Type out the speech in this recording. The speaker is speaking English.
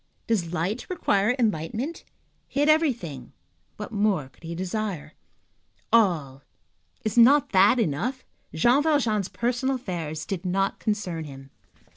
Does light require enlightenment? He had everything; what more could he desire? All,—is not that enough? Jean Valjean's personal affairs did not concern him.